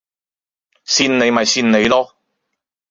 跣你咪跣你囉